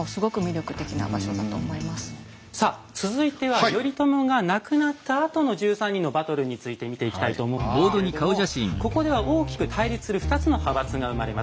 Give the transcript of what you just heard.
続いては頼朝が亡くなったあとの１３人のバトルについて見ていきたいと思うんですけれどもここでは大きく対立する２つの派閥が生まれます。